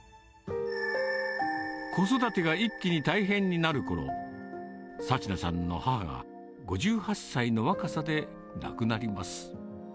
子育てが一気に大変になるころ、幸奈さんの母が５８歳の若さで亡くなります。